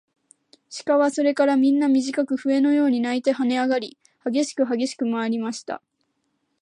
鹿はそれからみんな、みじかく笛のように鳴いてはねあがり、はげしくはげしくまわりました。